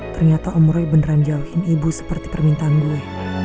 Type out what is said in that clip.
ternyata om roy beneran jauhin ibu seperti permintaan gue